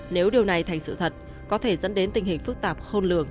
nếu điều này thành sự thật có thể dẫn đến tình hình phức tạp khôn lường